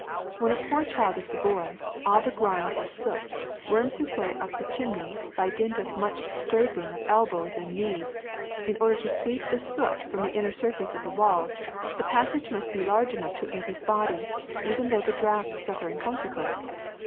When a poor child of Savoy, all begrimed with soot, worms his way up the chimney by dint of much scraping of elbows and knees, in order to sweep the soot from the inner surface of the walls, the passage must be large enough to admit his body, even though the draft suffer in consequence.